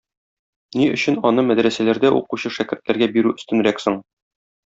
Ни өчен аны мәдрәсәләрдә укучы шәкертләргә бирү өстенрәк соң?